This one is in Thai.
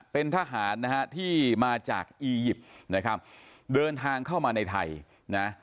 เป็นทหารนะฮะที่มาจากอียิปต์นะครับเดินทางเข้ามาในไทยนะ